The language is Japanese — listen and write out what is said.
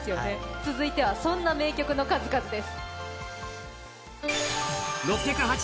続いては、そんな名曲の数々です。